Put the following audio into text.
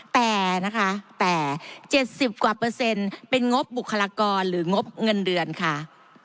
แต่นะคะแต่๗๐กว่าเปอร์เซ็นต์เป็นงบบุคลากรหรืองบเงินเดือนค่ะ